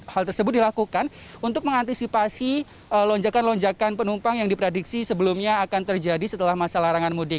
hal tersebut dilakukan untuk mengantisipasi lonjakan lonjakan penumpang yang diprediksi sebelumnya akan terjadi setelah masa larangan mudik